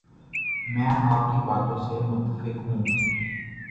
میں آپ کی باتوں سے متفق ہوں